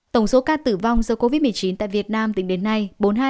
tổng số ca tử vong do covid một mươi chín tại việt nam tính đến nay